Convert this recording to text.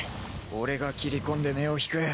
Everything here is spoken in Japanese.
俺が切り込んで目を引く。